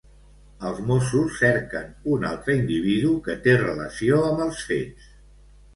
Els Mossos cerquen un altre individu que té relació amb els fets.